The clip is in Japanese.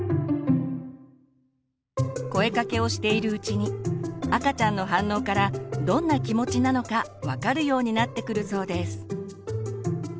声かけをしているうちに赤ちゃんの反応からどんな気持ちなのか分かるようになってくるそうです。